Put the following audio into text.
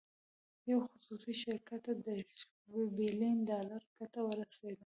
یو خصوصي شرکت ته دېرش بیلین ډالر ګټه ورسېده.